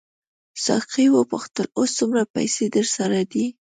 ساقي وپوښتل اوس څومره پیسې درسره دي.